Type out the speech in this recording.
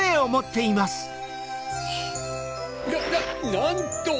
・なんと！